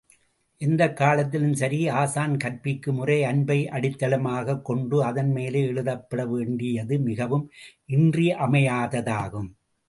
எந்தக் காலத்திலும் சரி ஆசான் கற்பிக்கும் உரை, அன்பை அடித்தளமாகக் கொண்டு அதன்மேல் எழுப்பப்பட வேண்டியது மிகவும் இன்றியமையாததாகும்.